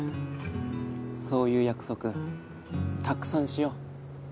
そういう約束たくさんしよう